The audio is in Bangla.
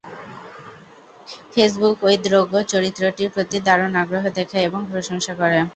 ফেসবুক ওই দ্রগো চরিত্রটির প্রতি দারুণ আগ্রহ দেখায় এবং প্রশংসা করে।